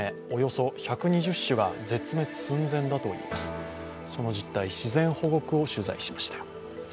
その実態、自然保護区を取材しました。